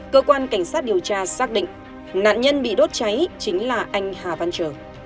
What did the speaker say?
cơ quan cảnh sát điều tra xác định nạn nhân bị đốt cháy chính là anh hà văn trở